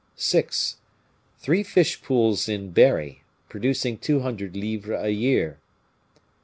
"6. Three fish pools in Berry, producing two hundred livres a year.